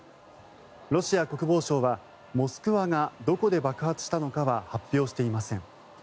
ロシア国防省は「モスクワ」がどこで爆発したのかは発表していません。